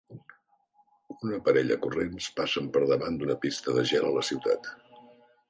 Una parella corrents passen per davant d'una pista de gel a la ciutat.